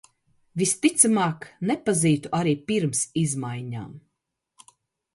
Visticamāk nepazītu arī pirms izmaiņām.